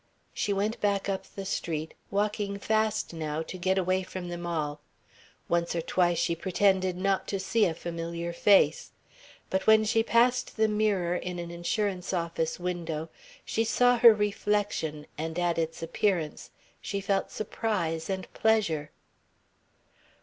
She went back up the street, walking fast now to get away from them all. Once or twice she pretended not to see a familiar face. But when she passed the mirror in an insurance office window, she saw her reflection and at its appearance she felt surprise and pleasure.